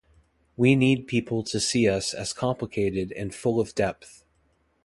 We need people to see us as complicated and full of depth.